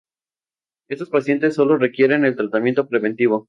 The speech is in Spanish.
Estos pacientes sólo requieren de tratamiento preventivo.